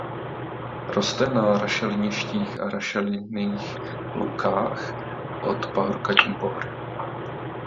Roste na rašeliništích a rašelinných loukách od pahorkatin po hory.